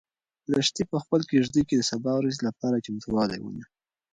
لښتې په خپلې کيږدۍ کې د سبا ورځې لپاره چمتووالی ونیو.